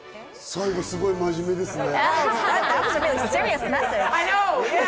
最後、すごく真面目ですね。